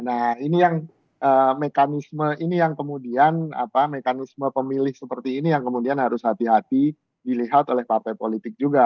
nah ini yang mekanisme ini yang kemudian mekanisme pemilih seperti ini yang kemudian harus hati hati dilihat oleh partai politik juga